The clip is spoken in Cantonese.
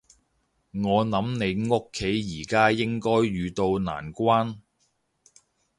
我諗你屋企而家應該遇到難關